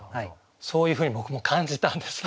そういうふうに僕も感じたんです